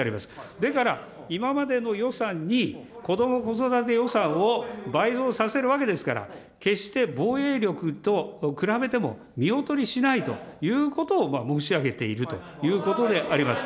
だから今までの予算にこども・子育て予算を倍増させるわけですから、決して防衛力と比べても見劣りしないということを申し上げているということであります。